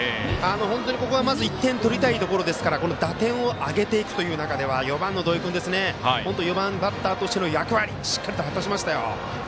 本当に、ここは１点取りたいところですからこの打点を挙げていくという中では４番の土井君４番バッターとしての役割しっかり果たしましたよ。